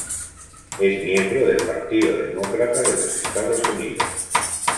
Es miembro del Partido Demócrata de los Estados Unidos.